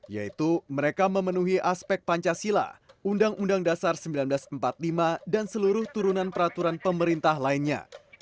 yaitu mereka memenuhi aspek pancasila undang undang dasar seribu sembilan ratus empat puluh lima dan seluruh turunan peraturan pemerintah lainnya